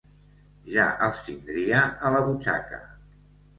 Ja els tindria a la butxaca.